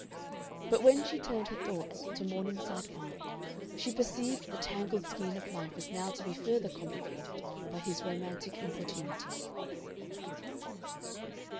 But when she turned her thoughts to Morningside Park she perceived the tangled skein of life was now to be further complicated by his romantic importunity.